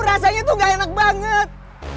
rasanya tuh gak enak banget